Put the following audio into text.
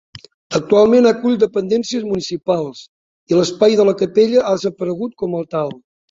Actualment acull dependències municipals, i l'espai de la capella ha desaparegut com a tal.